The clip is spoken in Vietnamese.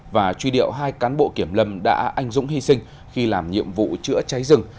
và truy điệu hai cán bộ kiểm lâm đã anh dũng hy sinh khi làm nhiệm vụ chữa cháy rừng